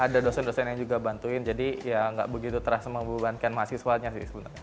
ada dosen dosen yang juga bantuin jadi ya nggak begitu terasa membebankan mahasiswanya sih sebenarnya